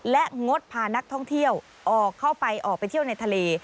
และงดพานักท่องเที่ยวออกเข้าไปออกไปเที่ยวในทะเล